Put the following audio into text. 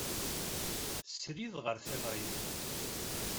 Srid ɣer teɣrit.